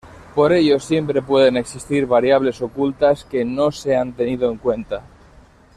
Por ello siempre pueden existir variables ocultas que no se han tenido en cuenta.